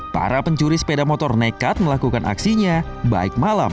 para pencuri sepeda motor nekat melakukan aksinya baik malam